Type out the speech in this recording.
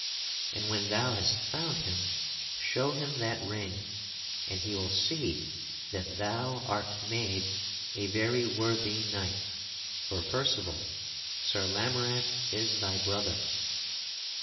And when thou hast found him, show him that ring, and he will see that thou art made a very worthy knight; for, Percival, Sir Lamorack is thy brother.